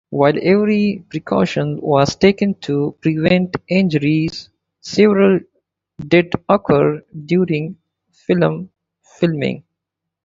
While every precaution was taken to prevent injuries, several did occur during filming.